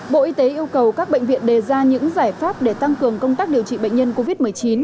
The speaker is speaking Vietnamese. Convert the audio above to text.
bộ y tế yêu cầu các bệnh viện đề ra những giải pháp để tăng cường công tác điều trị bệnh nhân covid một mươi chín